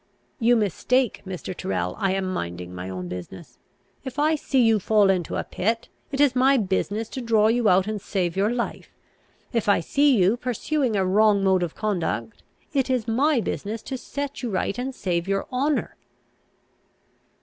"You mistake, Mr. Tyrrel; I am minding my own business. If I see you fall into a pit, it is my business to draw you out and save your life. If I see you pursuing a wrong mode of conduct, it is my business to set you right and save your honour."